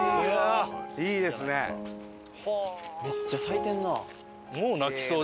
めっちゃ咲いてんなあ。